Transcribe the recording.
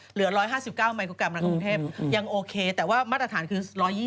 เหลือ๑๕๙มิโครกรัมในกรุงเทพยังโอเคแต่ว่ามาตรฐานคือ๑๒๐